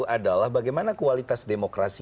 adalah bagaimana kualitas demokrasi